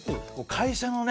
会社のね